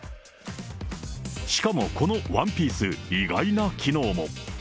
しかもこのワンピース、意外な機能も。